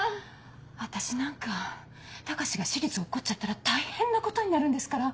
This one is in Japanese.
私なんか高志が私立落っこっちゃったら大変なことになるんですから。